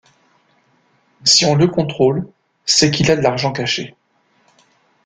Si on le contrôle, c'est qu'il a de l'argent caché.